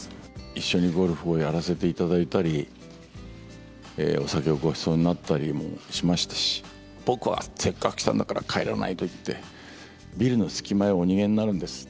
一緒にゴルフをやらせていただいたり、お酒をごちそうになったりもしましたし、僕はせっかく来たんだから帰らないと言って、ビルの隙間にお逃げになるんです。